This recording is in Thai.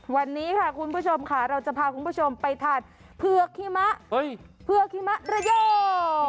วันนี้ค่ะคุณผู้ชมเราจะพาคุณผู้ชมไปทานเพือกขิมะระยอง